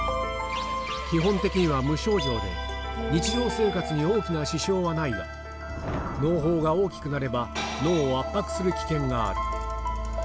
基本的には無症状で、日常生活に大きな支障はないが、のう胞が大きくなれば、脳を圧迫する危険がある。